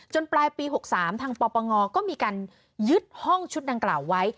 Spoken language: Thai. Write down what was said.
ปลายปี๖๓ทางปปงก็มีการยึดห้องชุดดังกล่าวไว้